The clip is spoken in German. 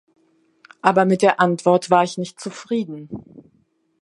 Aber mit der Anwort war ich nicht zufrieden.